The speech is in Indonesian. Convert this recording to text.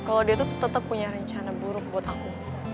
kalau dia tuh tetap punya rencana buruk buat aku